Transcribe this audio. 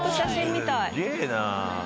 すげぇな。